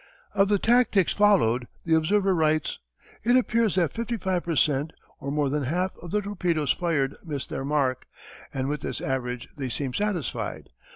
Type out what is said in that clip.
Of the tactics followed the observer writes: It appears that 55 per cent., or more than half, of the torpedoes fired miss their mark, and with this average they seem satisfied.